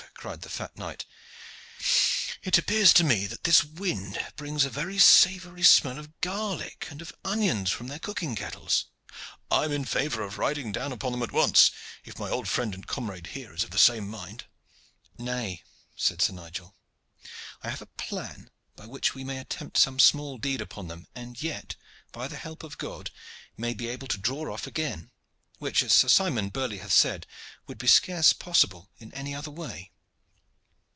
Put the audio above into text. cried the fat knight, "it appears to me that this wind brings a very savory smell of garlic and of onions from their cooking kettles. I am in favor of riding down upon them at once, if my old friend and comrade here is of the same mind." "Nay," said Sir Nigel, "I have a plan by which we may attempt some small deed upon them, and yet, by the help of God, may be able to draw off again; which, as Sir Simon Burley hath said, would be scarce possible in any other way."